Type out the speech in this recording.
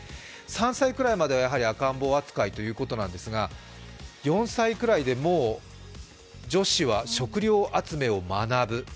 ３歳くらいまではやはり赤ん坊扱いということですが、４歳くらいで、もう女子は食料集めを学ぶ。